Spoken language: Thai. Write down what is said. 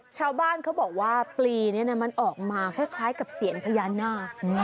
ชาวบ้านเขาบอกว่าปลีนี้มันออกมาคล้ายกับเสียญพญานาค